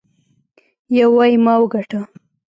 يو وايي ما وګاټه.